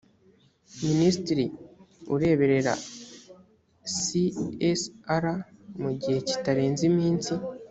minisitiri ureberera csr mu gihe kitarenze iminsi